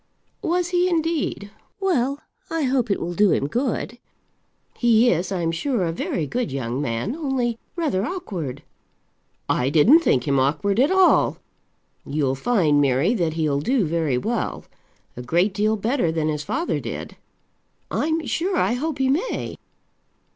"Was he, indeed? Well, I hope it will do him good. He is, I'm sure, a very good young man; only rather awkward." "I didn't think him awkward at all. You'll find, Mary, that he'll do very well; a great deal better than his father did." "I'm sure I hope he may."